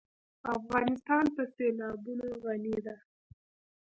افغانستان په سیلابونه غني دی.